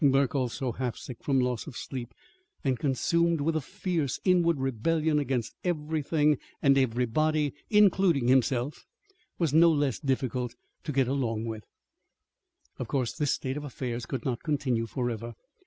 Burke, also half sick from loss of sleep, and consumed with a fierce, inward rebellion against everything and everybody, including himself, was no less difficult to get along with. Of course this state of affairs could not continue forever.